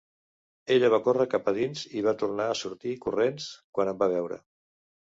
Ella va córrer cap a dins, i va tornar a sortir corrents quan em va veure.